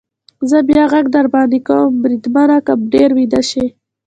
زه بیا غږ در باندې کوم، بریدمنه، که ډېر ویده شې.